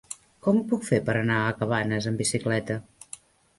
Com ho puc fer per anar a Cabanes amb bicicleta?